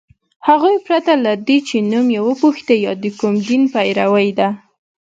هغوی پرته له دې چي نوم یې وپوښتي یا د کوم دین پیروۍ ده